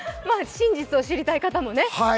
真実を知りたい方もね。